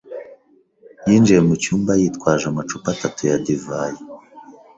yinjiye mu cyumba yitwaje amacupa atatu ya divayi.